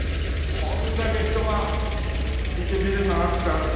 これだけ人がいてビルがあってあれ